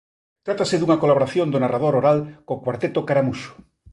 Trátase dunha colaboración do narrador oral co Cuarteto Caramuxo.